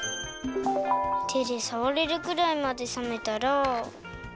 てでさわれるくらいまでさめたら。